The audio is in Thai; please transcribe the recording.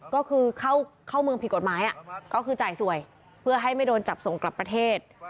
ก็คือเข้าเมืองผิดกฎหมายก็คือจ่ายสวยเพื่อให้ไม่โดนจับส่งกลับประเทศ